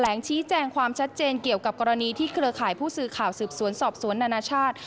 ชี้แจงความชัดเจนเกี่ยวกับกรณีที่เครือข่ายผู้สื่อข่าวสืบสวนสอบสวนนานาชาติ